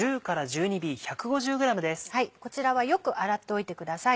こちらはよく洗っておいてください。